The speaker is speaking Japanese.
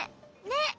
ねっ！